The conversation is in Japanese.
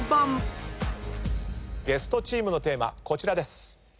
ゲストチームのテーマこちらです。